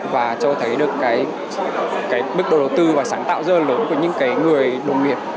và cho thấy được cái bức đầu tư và sáng tạo rất là lớn của những cái người đồng nghiệp